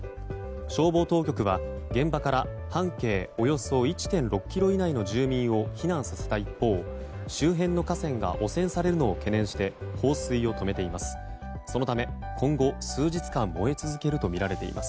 消防当局は現場から半径およそ１．６ｋｍ以内の住民を避難させた一方周辺の河川が汚染されるのを懸念して放水を止めています。